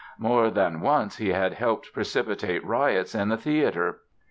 More than once he helped precipitate riots in the theatre.